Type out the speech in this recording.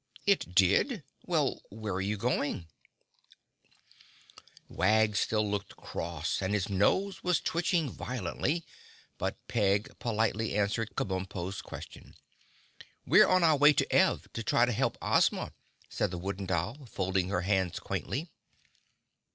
"It did? Well, where are you going?" [Illustration: (unlabelled)] Wag still looked cross and his nose was twitching violently, but Peg politely answered Kabumpo's question. "We're on our way to Ev to try to help Ozma," said the Wooden Doll, folding her hands quaintly.